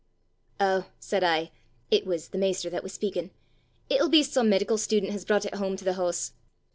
"Oh," said I, ' it was the master that was speakin' ' "it'll be some medical student has brought it home to the house!"